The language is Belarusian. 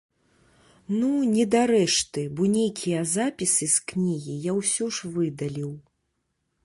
Ну, не дарэшты, бо нейкія запісы з кнігі я ўсё ж выдаліў.